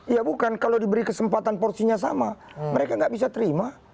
ya bukan kalau diberi kesempatan porsinya sama mereka nggak bisa terima